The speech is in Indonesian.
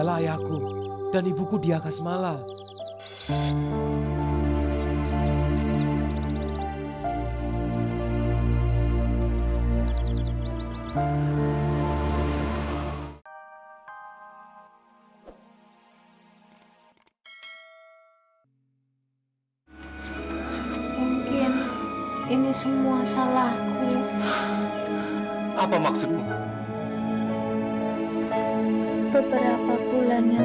sampai jumpa di video selanjutnya